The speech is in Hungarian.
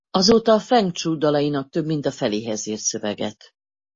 Azóta Fang Chou dalainak több mint a feléhez írt szöveget.